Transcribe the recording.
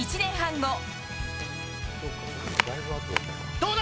どうだ？